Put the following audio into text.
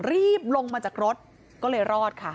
รีบลงมาจากรถก็เลยรอดค่ะ